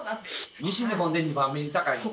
西日本で２番目に高いんですよ。